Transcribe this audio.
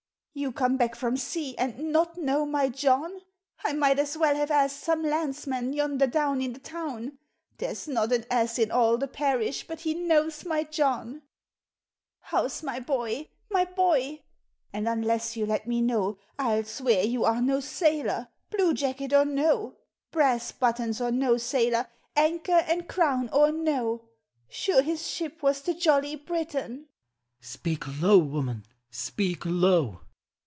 " You come back from sea, And not know my John? I might as well have asked some landsman, Yonder down in the town. There 's not an ass in all the parish But he knows my John. " How 's my boy — my boy? . And unless you let me know, I '11 swear you are no sailor, Blue jacket or no. Brass buttons or no, sailor, Anchor and crown or no! Sure his ship was the ' Jolly Briton '"— "Speak low, woman, speak low!"